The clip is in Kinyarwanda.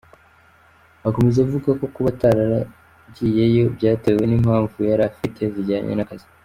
Akomeza avuga ko kuba ataragiyeyeo byatewe n’impamvu yari afite zijyanye n’akazi.